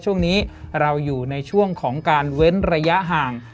ช่วงนี้เราอยู่ในช่วงของการเว้นระยะห่าง